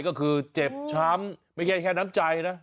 ก็คือเจ็บช้ำไม่ใช่แค่น้ำใจนะ